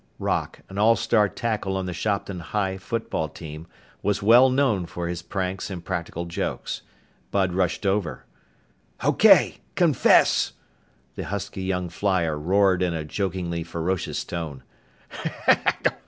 Rock, an all star tackle on the Shopton High football team, was well known for his pranks and practical jokes. Bud rushed over. "Okay! Confess!" the husky young flier roared in a jokingly ferocious tone.